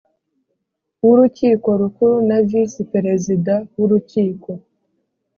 w Urukiko Rukuru na Visi Perezida w Urukiko